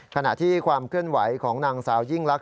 ขณะที่ความเคลื่อนไหวของนางสาวยิ่งลักษ